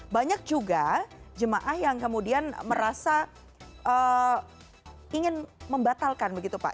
banyak juga jemaah yang kemudian merasa ingin membatalkan begitu pak